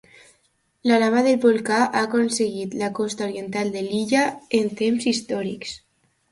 La lava del volcà ha aconseguit la costa oriental de l'illa en temps històrics.